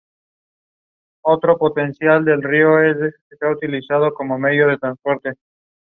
She also speaks about mental health and challenges that come after disasters.